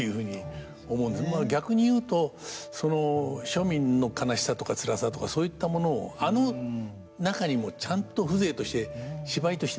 逆に言うとその庶民の悲しさとかつらさとかそういったものをあの中にもちゃんと風情として芝居として残してくれている。